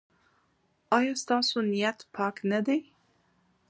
ایا ستاسو نیت پاک نه دی؟